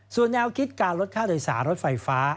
ส่วนแนวคิดการลดค่าโดยสารรถไฟฟ้า